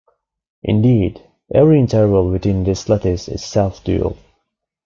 Indeed, every interval within this lattice is self-dual.